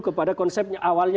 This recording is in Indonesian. kepada konsep awalnya